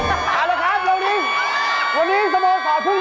เอาละครับวันนี้วันนี้สโมยขอพรุ่งน้อยมาเลยครับ